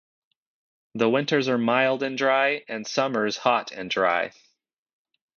The winters are mild and dry and summers hot and dry.